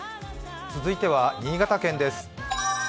続いては新潟県です。